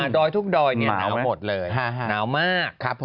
ดอยทุกดอยเนี่ยหนาวหมดเลยหนาวมาก